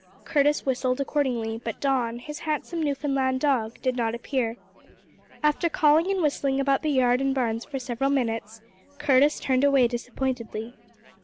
Curtis whistled accordingly, but Don, his handsome Newfoundland dog, did not appear. After calling and whistling about the yard and barns for several minutes, Curtis turned away disappointedly.